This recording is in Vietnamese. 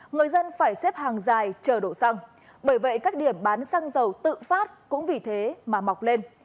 người dân phải xếp hàng dài chờ đổ xăng bởi vậy các điểm bán xăng dầu tự phát cũng vì thế mà mọc lên